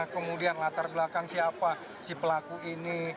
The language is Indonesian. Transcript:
kemudian latar belakang siapa si pelaku ini